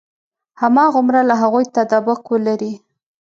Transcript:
هماغومره له هغوی تطابق ولري.